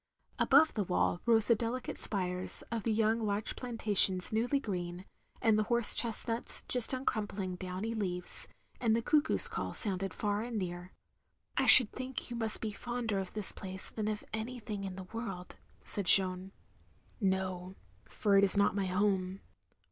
Above the wall rose the delicate spires of the young larch plantations newly green ; and horse chestnuts just uncrumpling downy leaves; the cuckoo's call sounded far and near. "I should think you must be fonder of this place than of anything in the world, " said Jeanne. "No; for it is not my home.